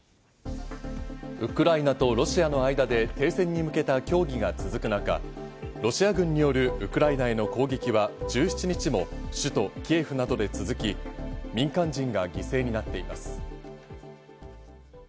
ウクライナとロシアの間で停戦に向けた協議が続く中、ロシア軍によるウクライナへの攻撃は１７日も首都キエフなどで続き、民間人が犠牲になっています。